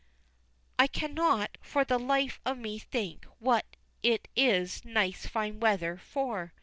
I cannot for the life of me think what it is nice fine weather for.